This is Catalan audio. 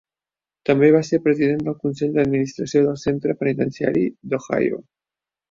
També va ser president del consell d'administració del centre penitenciari d'Ohio.